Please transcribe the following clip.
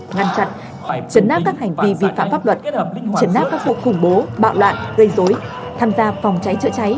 ngăn chặn trấn áp các hành vi vi phạm pháp luật trấn áp các cuộc khủng bố bạo loạn gây dối tham gia phòng cháy trợ cháy